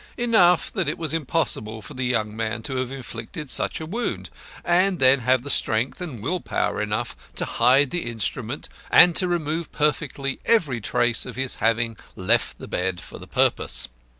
Enough that it was impossible for the unhappy young man to have inflicted such a wound, and then to have strength and will power enough to hide the instrument and to remove perfectly every trace of his having left the bed for the purpose."